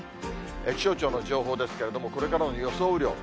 気象庁の情報ですけれども、これからの予想雨量。